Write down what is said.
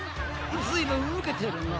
ずいぶんウケてるな。